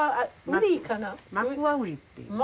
マクワウリっていうの。